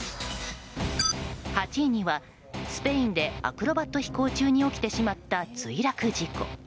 ８位にはスペインでアクロバット飛行中に起きてしまった墜落事故。